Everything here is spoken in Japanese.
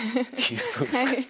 そうですか。